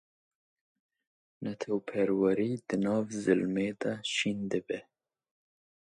Netewperwerî di nav zilmê da şîn dibe.